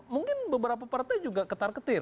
mungkin beberapa partai juga ketar ketir